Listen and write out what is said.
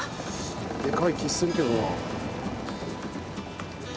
でかい気するけどな。